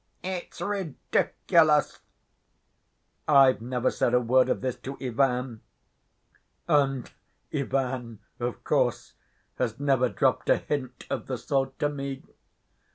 It's ridiculous! I've never said a word of this to Ivan, and Ivan of course has never dropped a hint of the sort to me.